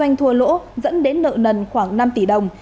anh thu lỗ dẫn đến nợ nần khoảng năm tỷ đồng